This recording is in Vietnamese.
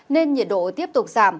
nên nhiệt độ tiếp tục giảm